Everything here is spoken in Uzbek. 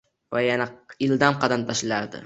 Va yana ildam qadam tashlardi.